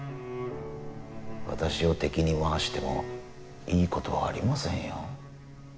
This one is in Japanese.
私を敵に回してもいい事はありませんよ？